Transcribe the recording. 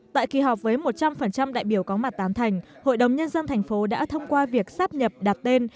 tại kỳ họp với một trăm linh đại biểu có mặt tán thành hội đồng nhân dân thành phố đã thông qua việc sắp nhập đặt tên